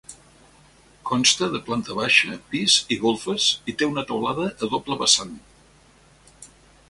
Consta de planta baixa, pis i golfes, i té una teulada a doble vessant.